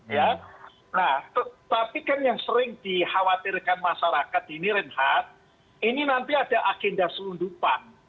nah tapi kan yang sering dikhawatirkan masyarakat ini renhat ini nanti ada agenda selundupan